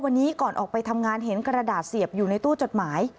วันนี้ก่อนออกไปทำงานเห็นกระดาษเสียบอยู่ในตู้จดหมาย